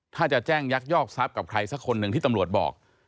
ถ้าจะแจ้งยักยอกทรัพย์กับใครสักคนหนึ่งที่ตำรวจบอก